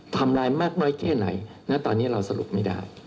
ทำร้ายมากน้อยแค่ไหนณตอนนี้เราสรุปไม่ได้